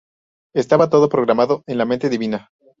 Estaba todo programado en la Mente Divina.